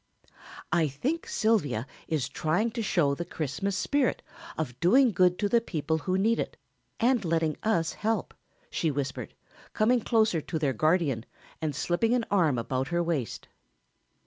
"I think Sylvia is trying to show the Christmas spirit of doing good to the people who need it and letting us help," she whispered, coming closer to their guardian and slipping an arm about her waist.